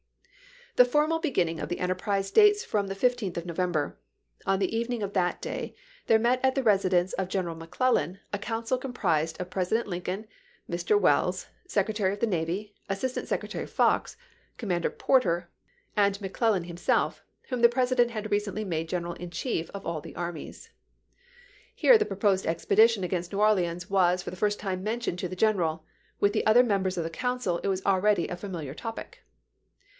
The formal beginning of the enterprise dates 1861. from the 15th of November. On the evening of that day there met at the residence of General Mc Clf'llan a council composed of President Lincoln, Mr. Welles, Secretary of the Navy, Assistant Sec retary Fox, Commander Porter, and McClellan farbagut's victory 255 himseK, whom the President had recently made chap.xv. general in chief of all the armies. Here the .pro posed expedition against New Orleans was for the first time mentioned to the general ; with the other members of the council it was already a familiar topic.